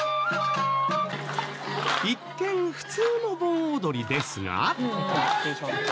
一見普通の盆踊りですが。